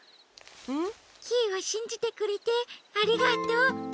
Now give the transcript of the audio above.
ん？キイをしんじてくれてありがとう。